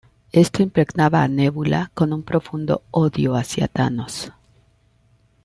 Esto impregnaba a Nebula con un profundo odio hacia Thanos.